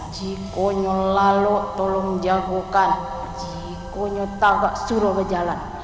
jika kamu lalu tolong jaga jika kamu tak suruh berjalan